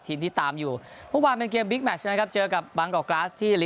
ทีมที่ตามอยู่วันเป็นเกมนะครับเจอกับบางกอกราศที่